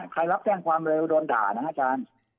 ด้วยนะฮะใครรับแท่งความเร็วโดนด่านะฮะอาจารย์